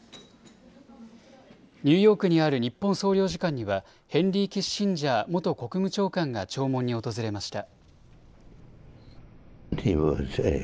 ニューヨークにある日本総領事館にはヘンリー・キッシンジャー元国務長官が弔問に訪れました。